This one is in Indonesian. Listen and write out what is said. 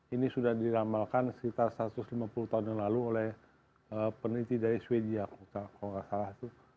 ini sudah diramalkan sekitar satu ratus lima puluh tahun yang lalu oleh peneliti dari sweden kalau nggak salah itu